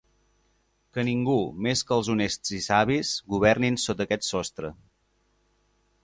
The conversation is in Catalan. Que ningú, més que els honests i savis governin sota aquest sostre.